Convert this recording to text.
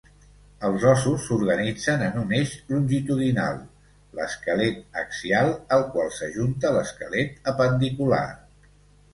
Els ossos s'organitzen en un eix longitudinal, l'esquelet axial, al qual s'ajunta l'esquelet apendicular.